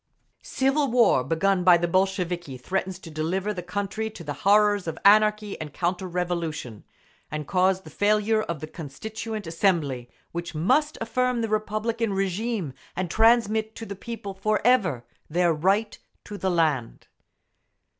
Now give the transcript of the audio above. Civil war, begun by the Bolsheviki, threatens to deliver the country to the horrors of anarchy and counter revolution, and cause the failure of the Constituent Assembly, which must affirm the republican régime and transmit to the People forever their right to the land.